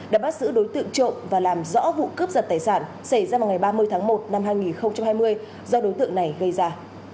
đã bắt giữ đối tượng trộm và làm rõ vụ cướp giật tài sản xảy ra vào ngày ba mươi tháng một năm hai nghìn hai mươi do đối tượng này gây ra